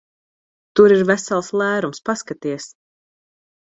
Tur ir vesels lērums. Paskaties!